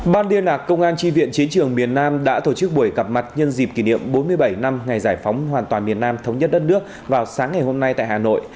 ban liên lạc công an tri viện chiến trường miền nam đã tổ chức buổi gặp mặt nhân dịp kỷ niệm bốn mươi bảy năm ngày giải phóng hoàn toàn miền nam thống nhất đất nước vào sáng ngày hôm nay tại hà nội